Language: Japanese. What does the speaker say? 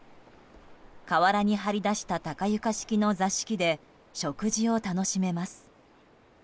河原に張り出した高床式の座敷で食事を楽しめます。